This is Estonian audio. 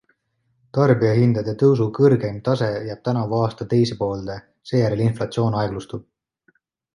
Tarbijahindade tõusu kõrgeim tase jääb tänavu aasta teise poolde, seejärel inflatsioon aeglustub.